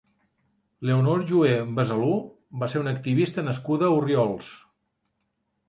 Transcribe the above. Leonor Joher Besalú va ser una activista nascuda a Orriols.